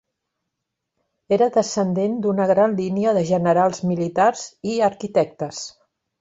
Era descendent d'una gran línia de generals militars i arquitectes.